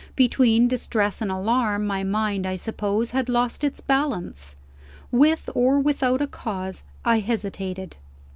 Between distress and alarm, my mind (I suppose) had lost its balance. With or without a cause, I hesitated.